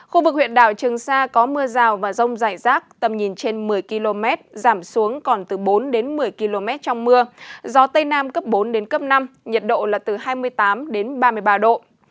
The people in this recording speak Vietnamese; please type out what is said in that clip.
khu vực huyện đảo trường sa có mưa rào và rông rải rác tầm nhìn trên một mươi km giảm xuống còn từ bốn đến một mươi km trong mưa gió tây nam cấp bốn đến cấp năm nhiệt độ là từ hai mươi tám đến ba mươi ba độ